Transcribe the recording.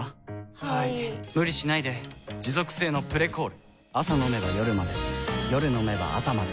はい・・・無理しないで持続性の「プレコール」朝飲めば夜まで夜飲めば朝まで